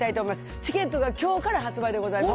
チケットがきょうから発売でございます。